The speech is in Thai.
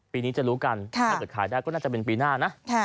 ปีนี้จะรู้กันถ้าเกิดขายได้ก็น่าจะเป็นปีหน้านะ